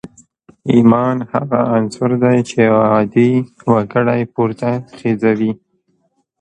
ایمان هغه عنصر دی چې یو عادي وګړی پورته خېژوي